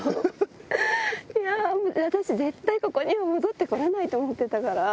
いや、私、絶対、ここには戻ってこれないと思ってたから。